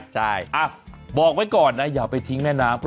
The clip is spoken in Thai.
ใช่บอกไว้ก่อนนะอย่าไปทิ้งแม่น้ำ